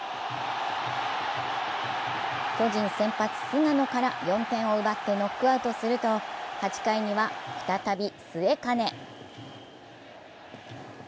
巨人先発・菅野から４点を奪ってノックアウトすると、８回には再び末包。